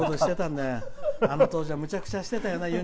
あの当時はむちゃくちゃしてたよな。